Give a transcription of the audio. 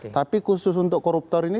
tapi khusus untuk koruptor ini